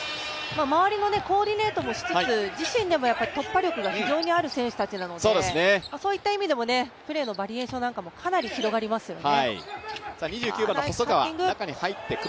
周りのコーディネートもしつつ、自身でも突破力が非常にある選手たちなので、そういった意味でもプレーのバリエーションもかなり広がりますよね。